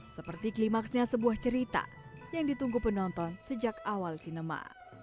seperti klimaksnya sebuah cerita yang ditunggu penonton sejak awal sinema